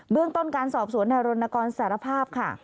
เรื่องต้นการสอบสวนนายรณกรสารภาพค่ะ